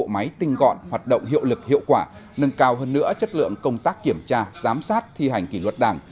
máy tinh gọn hoạt động hiệu lực hiệu quả nâng cao hơn nữa chất lượng công tác kiểm tra giám sát thi hành kỷ luật đảng